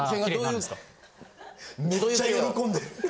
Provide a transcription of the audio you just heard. むっちゃ喜んでる！